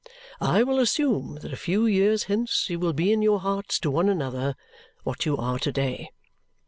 I will assume that a few years hence you will be in your hearts to one another what you are to day.